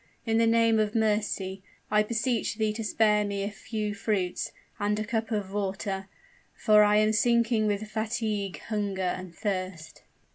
In the name of mercy! I beseech thee to spare me a few fruits, and a cup of water, for I am sinking with fatigue, hunger, and thirst."